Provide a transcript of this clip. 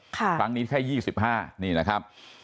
ครั้งนี้แค่๒๕นี่นะครับ